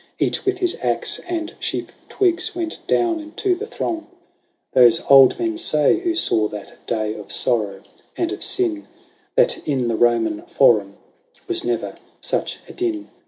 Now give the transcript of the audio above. Each with his axe and sheaf of twigs, went down into the throng, VIRGINIA. 171 Those old men say, who saw that day of sorrow and of sin, That in the Roman Forum was never such a din.